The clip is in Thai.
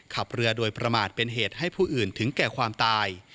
ขับเรือโดยประมาทเป็นเหตุให้ผู้อื่นถึงแก่ความตาย